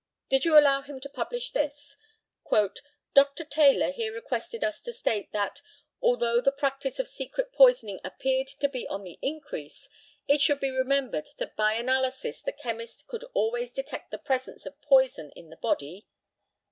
Did you allow him to publish this "Dr. Taylor here requested us to state that, although the practice of secret poisoning appeared to be on the increase, it should be remembered that by analysis the chemist could always detect the presence of poison in the body?"